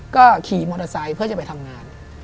ก็ขี่มอเตอร์ไซค์เพื่อจะไปทำงาน